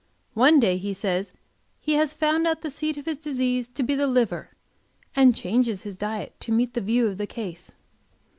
One day he says he has found out the seat of his disease to be the liver, and changes his diet to meet that view of the case.